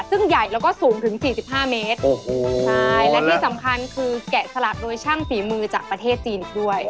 ซึ่งใหญ่แล้วก็สูงถึง๔๕เมตรโอ้โหใช่และที่สำคัญคือแกะสลักโดยช่างฝีมือจากประเทศจีนอีกด้วย